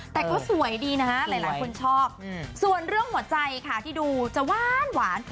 แต่ก็สวยดีนะหลายคนชอบส่วนเรื่องหัวใจค่ะที่ดูจะหวาน